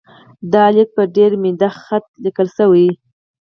دا لیک په ډېر میده خط لیکل شوی.